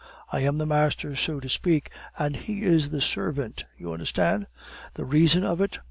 I am the master, so to speak, and he is the servant, you understand? The reason of it?